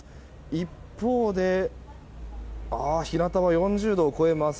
一方で、日なたは４０度を超えます。